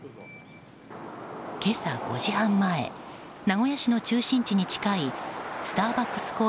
今朝５時半前名古屋市の中心地に近いスターバックス